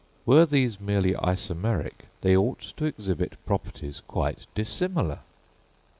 Were these merely isomeric, they ought to exhibit properties quite dissimilar!